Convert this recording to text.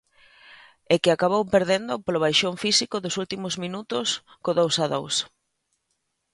E que acabou perdendo polo baixón físico dos últimos minutos co dous a dous.